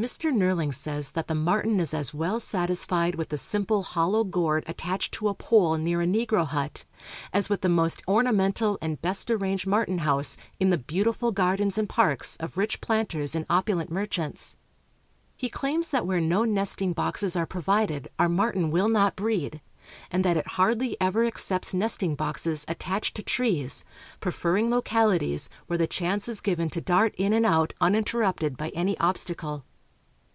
Mr. Nehrling says that the martin is as well satisfied with the simple hollow gourd attached to a pole near a negro hut as with the most ornamental and best arranged martin house in the beautiful gardens and parks of rich planters and opulent merchants. He claims that where no nesting boxes are provided our martin will not breed, and that it hardly ever accepts nesting boxes attached to trees, preferring localities where the chance is given to dart in and out uninterrupted by any obstacle.